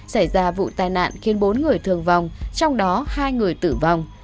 xảy ra vụ tai nạn khiến bốn người thương vong trong đó hai người tử vong